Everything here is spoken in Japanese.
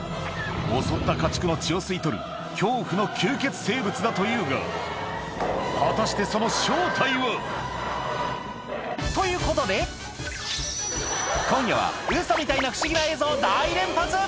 襲った家畜の血を吸い取る恐怖の吸血生物だというが、果たして、その正体は。ということで、今夜は、ウソみたいな不思議な映像大連発。